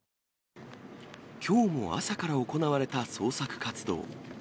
きょうも朝から行われた捜索活動。